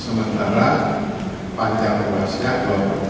sementara panjang ruasnya dua puluh empat km